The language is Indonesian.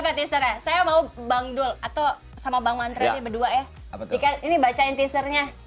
mana di kamera saya mau bangdul atau sama bangun terjadi berdua eh ini bacain tisernya